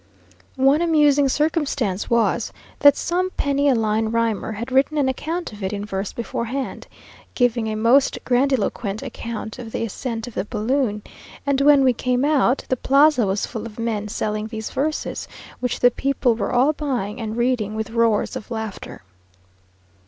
One amusing circumstance was, that some penny a line rhymer had written an account of it in verse beforehand, giving a most grandiloquent account of the ascent of the balloon; and when we came out, the plaza was full of men selling these verses, which the people were all buying and reading with roars of laughter.